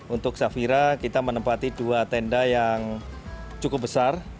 untuk safira kita menempati dua tenda yang cukup besar